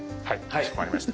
はい。